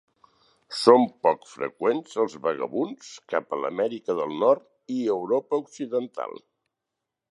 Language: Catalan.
Són poc freqüents els vagabunds cap a l'Amèrica del Nord i Europa occidental.